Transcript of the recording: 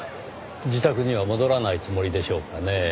自宅には戻らないつもりでしょうかねぇ。